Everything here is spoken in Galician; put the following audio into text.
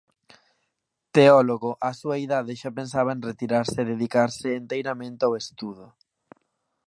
Teólogo, á súa idade xa pensaba en retirarse e dedicarse enteiramente ao estudo.